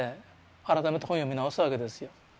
改めて本を読み直すわけですよ。